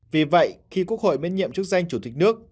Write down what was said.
vì vậy khi quốc hội biến nhiệm trước danh chủ tịch đức